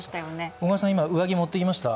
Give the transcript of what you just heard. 小川さん、今、上着持ってきました？